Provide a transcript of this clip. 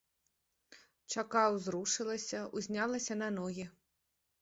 Чака ўзрушылася, узнялася на ногі.